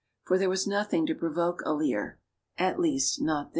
For there was nothing to provoke a leer at least, not then.